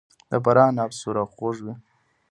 د فراه عناب سور او خوږ وي.